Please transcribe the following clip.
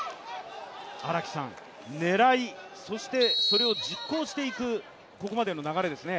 狙い、そしてそれを実行していく、ここまでの流れですね。